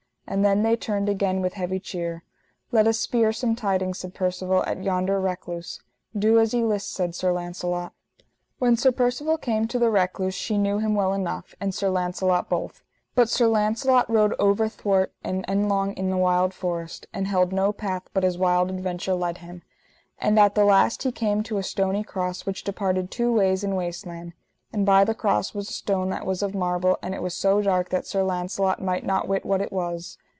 And then they turned again with heavy cheer. Let us spere some tidings, said Percivale, at yonder recluse. Do as ye list, said Sir Launcelot. When Sir Percivale came to the recluse she knew him well enough, and Sir Launcelot both. But Sir Launcelot rode overthwart and endlong in a wild forest, and held no path but as wild adventure led him. And at the last he came to a stony cross which departed two ways in waste land; and by the cross was a stone that was of marble, but it was so dark that Sir Launcelot might not wit what it was.